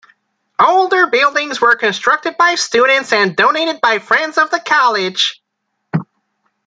Older buildings were constructed by students and donated by friends of the College.